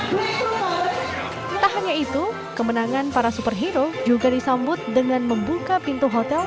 tak hanya itu kemenangan para superhero juga disambut dengan membuka pintu hotel